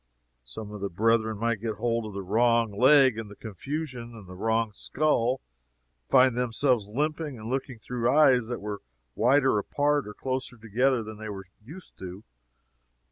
Some of the brethren might get hold of the wrong leg, in the confusion, and the wrong skull, and find themselves limping, and looking through eyes that were wider apart or closer together than they were used to.